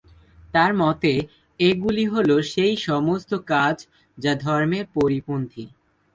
তাঁর মতে, এগুলি হল সেই সমস্ত কাজ যা ধর্মের পরিপন্থী।